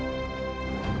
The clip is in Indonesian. yang terbaik di dunia ini